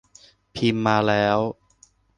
พิมพ์มาแล้ว